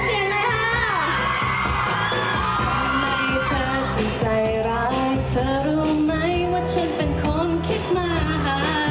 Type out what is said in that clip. ทำไมเธอจึงใจร้ายเธอรู้ไหมว่าฉันเป็นคนคิดมา